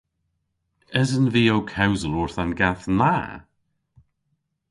Esen vy ow kewsel orth an gath na?